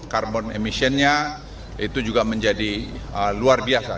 carbon emissionnya itu juga menjadi luar biasa